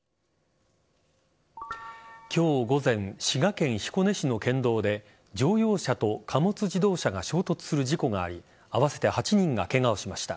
今日午前滋賀県彦根市の県道で乗用車と貨物自動車が衝突する事故があり合わせて８人がケガをしました。